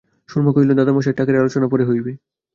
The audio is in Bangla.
সুরমা কহিল, দাদামহাশয়, টাকের আলোচনা পরে হইবে।